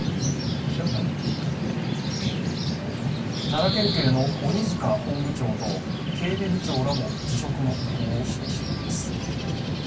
奈良県警の鬼塚本部長と警備部長らも辞職の意向を示しています。